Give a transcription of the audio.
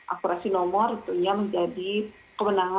akurasi nomor itu yang menjadi kemenangan